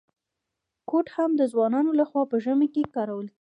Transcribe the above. کوټ هم د ځوانانو لخوا په ژمي کي کارول کیږي.